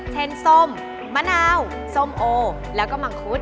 เช่นสมมะนาวสมโอแล้วก็มังคุด